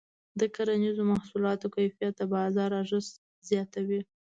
د کرنیزو محصولاتو کیفیت د بازار ارزښت زیاتوي.